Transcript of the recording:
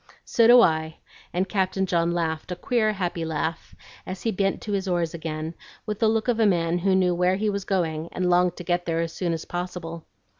"So do I!" and Captain John laughed a queer, happy laugh, as he bent to his oars again, with the look of a man who knew where he was going and longed to get there as soon as possible.